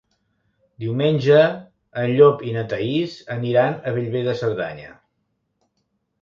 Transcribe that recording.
Diumenge en Llop i na Thaís aniran a Bellver de Cerdanya.